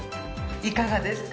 いかがですか？